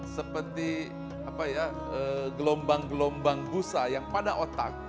seperti gelombang gelombang busa yang pada otak